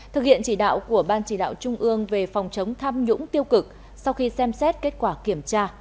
thực hiện chỉ đạo của ban chỉ đạo trung ương về phòng chống tham nhũng tiêu cực sau khi xem xét kết quả kiểm tra